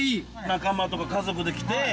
仲間とか家族で来て。